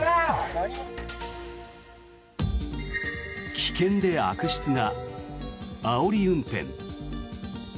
危険で悪質なあおり運転。